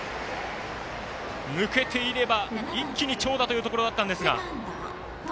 抜けていれば、一気に長打というところだったんですが。